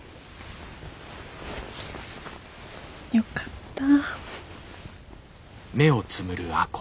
よかった。